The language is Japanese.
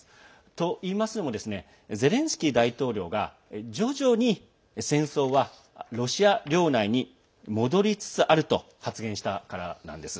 といいますのもゼレンスキー大統領が徐々に戦争はロシア領内に戻りつつあると発言したからなんです。